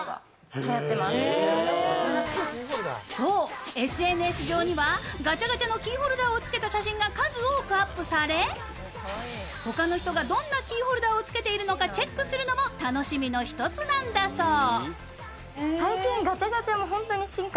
そう、ＳＮＳ上にはガチャガチャのキーホルダーをつけた写真がアップされほかの人がどんなキーホルダーをつけているかチェックするのも楽しみの１つなんだそう。